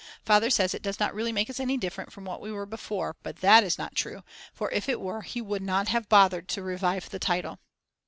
Father says it does not really make us any different from what we were before, but that is not true, for if it were he would not have bothered to revive the title.